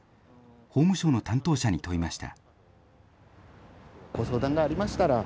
法務省の担当者に問いました。